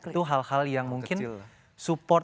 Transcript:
itu hal hal yang mungkin support